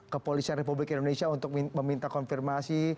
kepolisian republik indonesia untuk meminta konfirmasi